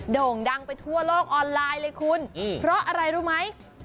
โด่งดังไปทั่วโลกออนไลน์เลยคุณเพราะอะไรรู้ไหม